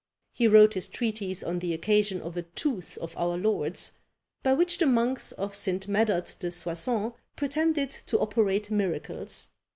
He wrote his treatise on the occasion of a tooth of our Lord's, by which the monks of St. Medard de Soissons pretended to operate miracles.